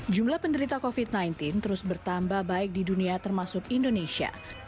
jumlah penderita covid sembilan belas terus bertambah baik di dunia termasuk indonesia